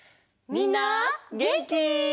みんなげんき？